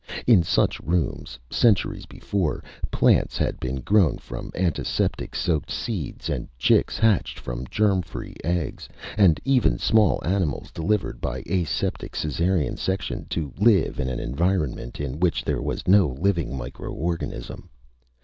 In such rooms, centuries before, plants had been grown from antiseptic soaked seeds and chicks hatched from germ free eggs, and even small animals delivered by aseptic Caesarean section to live in an environment in which there was no living microorganism.